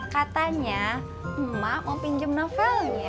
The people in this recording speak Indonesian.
katanya emak mau pinjam novelnya